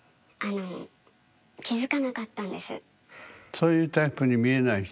そういうタイプに見えない人？